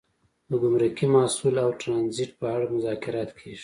د ګمرکي محصول او ټرانزیټ په اړه مذاکرات کیږي